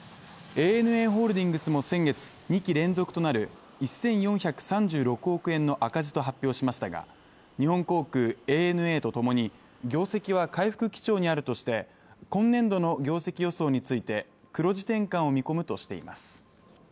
ＡＮＡホールディングスも先月、２期連続となる１４３６億円の赤字と発表しましたが日本航空、ＡＮＡともに業績は回復基調にあるとして、今年度の業績予想について黒字転換を見込むとしています。